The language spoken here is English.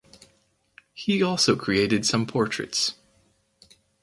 He also created some portraits.